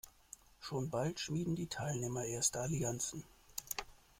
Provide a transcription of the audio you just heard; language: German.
Schon bald schmieden die Teilnehmer erste Allianzen.